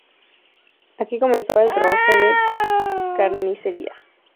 Aquí comenzaba el trabajo de carnicería.